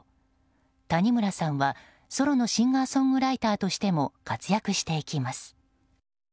谷村さんは、ソロのシンガーソングライターとしても活躍していきます。